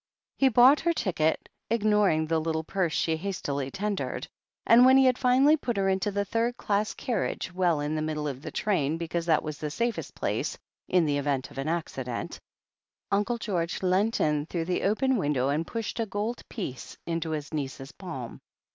He bought her ticket, ignoring the little purse she THE HEEL OF ACHILLES 209 hastily tendered, and when he had finally put her into a third class carriage, well in the middle of the train because that was the safest place in the event of an accident, Uncle George leant in through the open window and pushed a gold piece into his niece's palm.